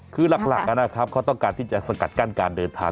คือหลักนะครับเขาต้องการที่จะสกัดกั้นการเดินทาง